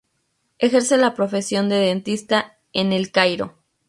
Ejerce la profesión de dentista en El Cairo.